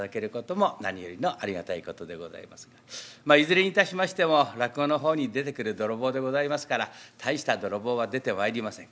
いずれにいたしましても落語の方に出てくる泥棒でございますから大した泥棒は出てまいりません。